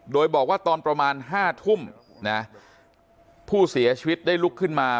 โดยบอกว่าตอนประมาณ๕ทุ่มนะผู้เสียชีวิตได้ลุกขึ้นมา